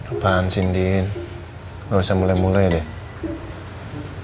apaan sih indien gak usah mulai mulai deh